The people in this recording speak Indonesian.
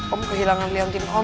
om kehilangan liantin om